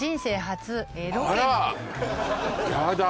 やだ